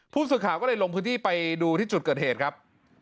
ผู้สื่อข่าวก็เลยลงพื้นที่ไปดูที่จุดเกิดเหตุครับ